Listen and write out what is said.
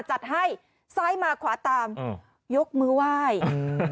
จัดให้ซ้ายมาขวาตามอืมยกมือไหว้อืม